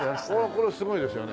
これはすごいですよね？